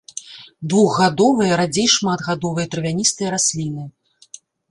Двухгадовыя, радзей шматгадовыя травяністыя расліны.